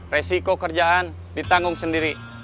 resiko kerjaan ditanggung sendiri